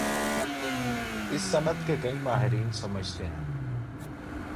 اس صنعت کے کئی ماہرین سمجھتے ہیں